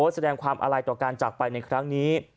สายความอะไรกับการจักรไปในครั้งนี้